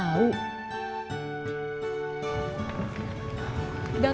waduh abis itu dia lupa